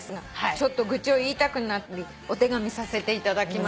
「ちょっと愚痴を言いたくなりお手紙させていただきました」